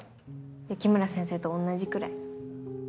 雪村先生と同じくらい。